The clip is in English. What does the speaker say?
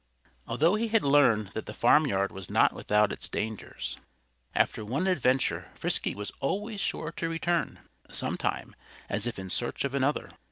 Although he had learned that the farmyard was not without its dangers, after one adventure Frisky was always sure to return, sometime, as if in search of another.